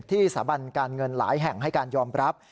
สถาบันการเงินหลายแห่งให้การยอมรับ